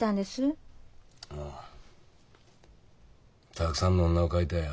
たくさんの女を描いたよ。